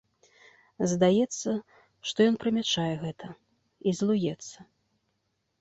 Здаецца, што ён прымячае гэта і злуецца.